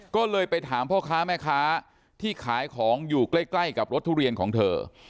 ก็เลยไปถามพ่อค้าแม่ค้าที่ขายของอยู่ใกล้กับรถทุเรียนของเธอ